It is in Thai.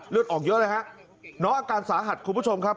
เลือดออกเยอะเลยฮะน้องอาการสาหัสคุณผู้ชมครับ